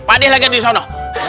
pak deh lagi disana